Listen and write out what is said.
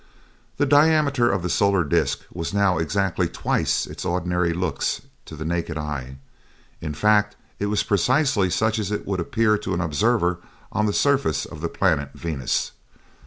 The diameter of the solar disc was now exactly twice what it ordinarily looks to the naked eye; in fact, it was precisely such as it would appear to an observer on the surface of the planet Venus.